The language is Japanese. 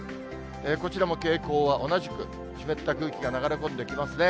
こちらも傾向は同じく、湿った空気が流れ込んできますね。